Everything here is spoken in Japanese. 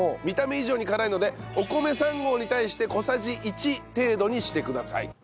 見た目以上に辛いのでお米３合に対して小さじ１程度にしてください。